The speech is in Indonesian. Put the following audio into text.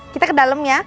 kita ke dalem ya